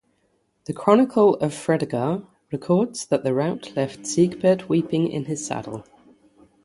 The "Chronicle of Fredegar" records that the rout left Sigebert weeping in his saddle.